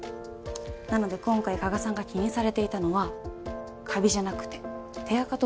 なので今回加賀さんが気にされていたのはカビじゃなくて手垢とほこりなんです。